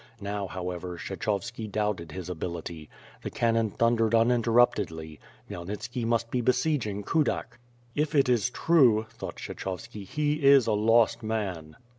Now, however, Kshechovski doubted his ability. The cannon thundered uninterruptedly. Khymelnitski must be besieging Kudak! ^'If it is true," thought Kshechovski, "he is a lost man."